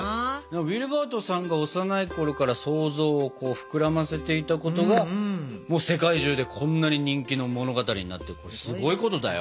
ウィルバートさんが幼いころから想像を膨らませていたことが世界中でこんなに人気の物語になってすごいことだよ。